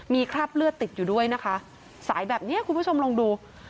มีคราบเลือดติดอยู่ด้วยนะคะสายแบบเนี้ยคุณผู้ชมลองดู